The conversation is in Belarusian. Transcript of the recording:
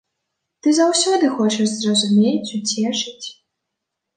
Ты заўсёды хочаш зразумець, уцешыць.